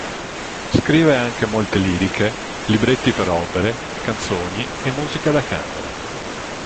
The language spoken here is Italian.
Scrive anche molte liriche, libretti per opere, canzoni e musica da camera.